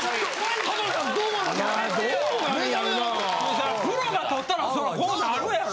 そらプロが撮ったらそらこうなるやろ。